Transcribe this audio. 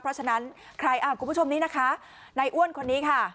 เพราะฉะนั้นใครอ่ะคุณผู้ชมนี้นะคะนายอ้วนคนนี้ค่ะ